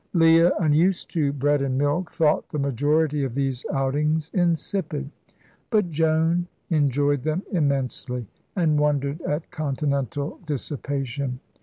Leah, unused to bread and milk, thought the majority of these outings insipid; but Joan enjoyed them immensely, and wondered at Continental dissipation.